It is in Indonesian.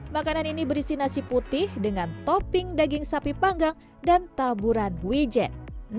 makanan ini berisi nasi putih dengan topping daging sapi panggang dan taburan wijen